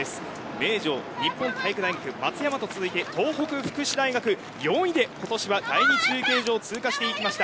名城、日本体育大学松山と続いて東北福祉大学が４位で第２中継所を通過していきました。